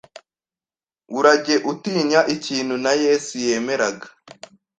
Urajye utinya ikintu na Yesu yemeraga,